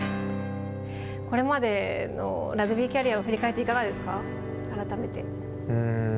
これまでのラグビーキャリアを振り返っていかがですか改めて。